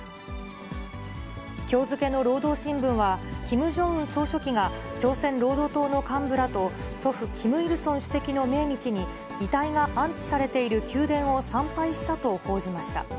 きょう付けの労働新聞は、キム・ジョンウン総書記が朝鮮労働党の幹部らと、祖父、キム・イルソン主席の命日に、遺体が安置されている宮殿を参拝したと報じました。